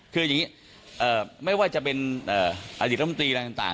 คืออย่างนี้ไม่ว่าจะเป็นอดีตรัฐมนตรีอะไรต่าง